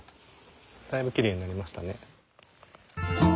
だいぶきれいになりましたね。